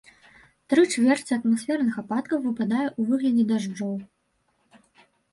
Тры чвэрці атмасферных ападкаў выпадае ў выглядзе дажджоў.